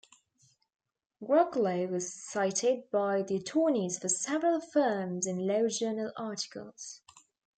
"Groklaw" was cited by the attorneys for several firms in law journal articles.